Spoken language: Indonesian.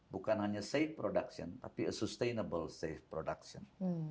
bukan hanya production selamat tapi production selamat yang berkendaraan